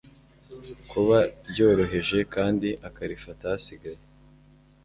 kuba ryoroheje, kandi akarifata hasigaye